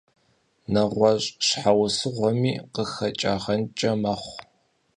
НэгъуэщӀ щхьэусыгъуэми къыхэкӀагъэнкӀэ мэхъу.